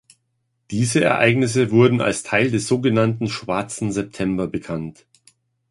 Diese Ereignisse wurden als Teil des sogenannten Schwarzen September bekannt.